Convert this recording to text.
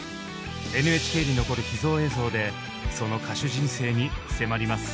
ＮＨＫに残る秘蔵映像でその歌手人生に迫ります。